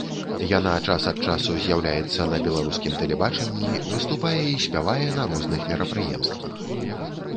Яна час ад часу з'яўляецца на беларускім тэлебачанні, выступае і спявае на розных мерапрыемствах.